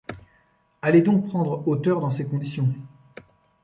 Allez donc prendre hauteur dans ces conditions !